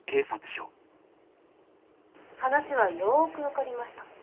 話はよく分かりました。